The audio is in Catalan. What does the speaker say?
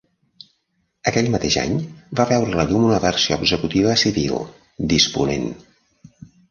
Aquell mateix any va veure la llum una versió executiva civil, Disponent.